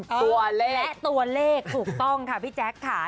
ตัวเลขและตัวเลขถูกต้องค่ะพี่แจ๊คค่ะ